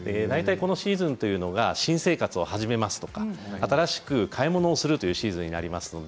このシーズンというのが新生活を始めるとか新しく買い物するというシーズンです。